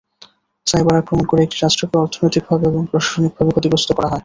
Cyber আক্রমণ করে একটি রাষ্ট্রকে অর্থনৈতিকভাবে এবং প্রশাসনিকভাবে ক্ষতিগ্রস্ত করা যায়।